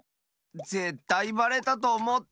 ぜったいばれたとおもった！